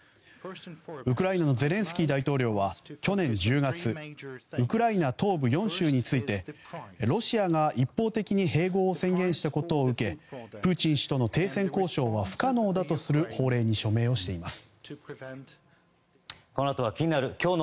ウクライナのゼレンスキー大統領は去年１０月ウクライナ東部４州についてロシアが一方的に併合を宣言したことを受けプーチン氏との停戦交渉は不可能だとする法令に署名をしています。